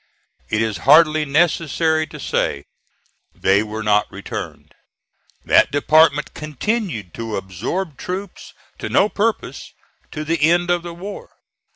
It is hardly necessary to say they were not returned. That department continued to absorb troops to no purpose to the end of the war.